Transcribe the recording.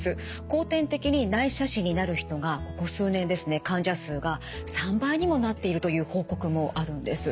後天的に内斜視になる人がここ数年ですね患者数が３倍にもなっているという報告もあるんです。